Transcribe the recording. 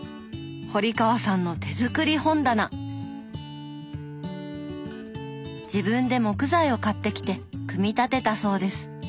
堀川さんの自分で木材を買ってきて組み立てたそうです。